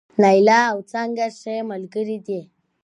نايله او څانګه ښې ملګرې دي